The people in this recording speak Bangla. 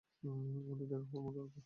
আমাদের দেখা হওয়ার রাতে।